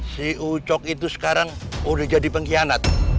si ucok itu sekarang udah jadi pengkhianat